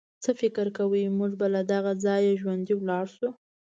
څه فکر کوئ، موږ به له دغه ځایه ژوندي ولاړ شو.